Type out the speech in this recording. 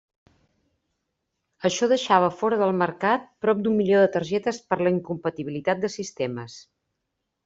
Això deixava fora del mercat prop d'un milió de targetes per la incompatibilitat de sistemes.